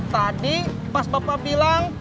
tadi pas bapak bilang